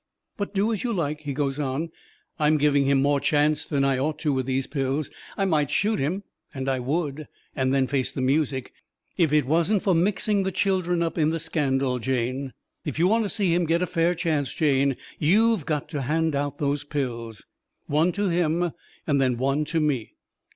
"But do as you like," he goes on. "I'm giving him more chance than I ought to with those pills. I might shoot him, and I would, and then face the music, if it wasn't for mixing the children up in the scandal, Jane. If you want to see him get a fair chance, Jane, you've got to hand out these pills, one to him and then one to me.